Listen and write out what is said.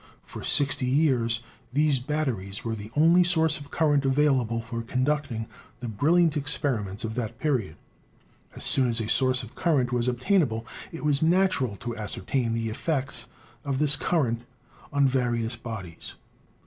For sixty years these batteries were the only source of current available for conducting the brilliant experiments of that period. As soon as a source of current was obtainable it was natural to ascertain the effects of this current on various bodies.